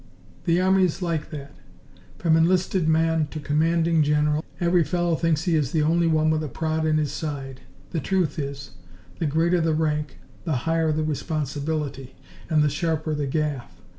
The army is like that. From enlisted man to Commanding General, every fellow thinks he is the only one with a prod in his side. The truth is, the greater the rank, the higher the responsibility, and the sharper the gaff.